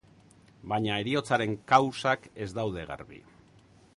Baina heriotzaren kausak ez daude garbi.